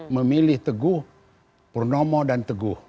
memilih teguh purnomo dan teguh